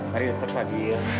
mari dekat lagi ya